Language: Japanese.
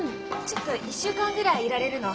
ちょっと１週間ぐらいいられるの。